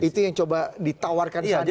itu yang coba ditawarkan di sana